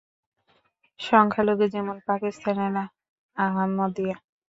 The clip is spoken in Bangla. সংখ্যালঘু যেমন পাকিস্তানের আহমদিয়া।